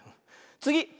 つぎ！